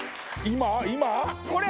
今？